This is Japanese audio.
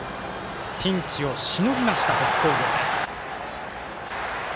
ピンチをしのぎました、鳥栖工業。